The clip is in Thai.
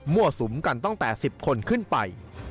สุมกันตั้งแต่๑๐คนขึ้นไป